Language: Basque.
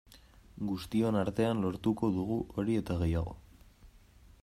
Guztion artean lortuko dugu hori eta gehiago.